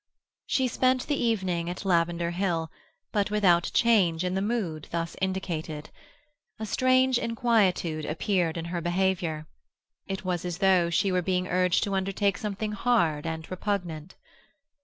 She spent the evening at Lavender Hill, but without change in the mood thus indicated. A strange inquietude appeared in her behaviour. It was as though she were being urged to undertake something hard and repugnant.